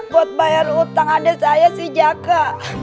buat bayar utang adek saya si jaka